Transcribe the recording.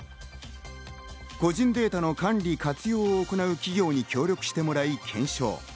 個人データの管理・活用などを行う企業に協力してもらい検証。